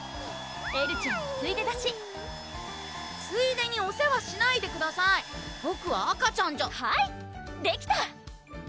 エルちゃんのついでだしついでにお世話しないでくださいボクは赤ちゃんじゃはいできた！